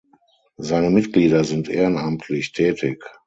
Seine Mitglieder sind ehrenamtlich tätig.